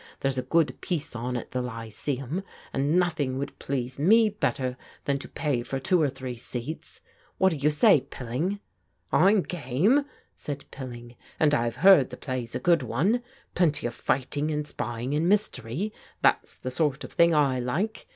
There's a good piece on at the Lyceum and nothing would please me better than jto pay for two or three seats. What do you say, Pilling?" " I'm game," said Pilling, " and I've heard the play's a good one. Plenty of fighting and spying, and mystery; that's the sort of thing I like.